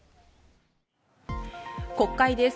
国会です。